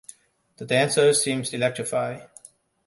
The dancers seemed electrified.